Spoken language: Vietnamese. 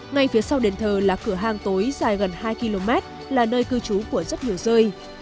ngay phía sau đền thờ là cửa hàng tối dài gần hai km là nơi cư trú của rất nhiều rơi